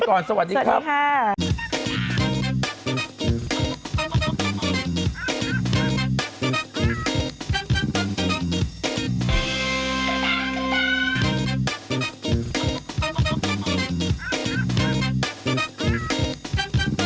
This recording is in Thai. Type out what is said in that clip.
แต่โดนด่าตาย